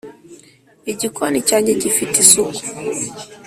igikoni cyange gifite isuku